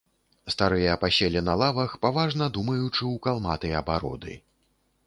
Старыя паселі на лавах, паважна думаючы ў калматыя бароды.